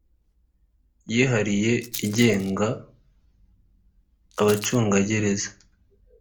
yihariye igenga abacungagereza